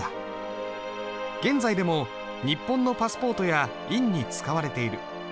現在でも日本のパスポートや印に使われている。